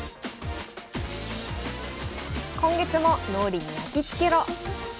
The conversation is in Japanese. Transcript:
今月も「脳裏にやきつけろ！」。